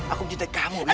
aku mencintai kamu win